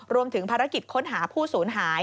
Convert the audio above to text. รวมถึงภารกิจค้นหาผู้สูญหาย